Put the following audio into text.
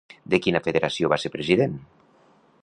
De quina federació va ser president?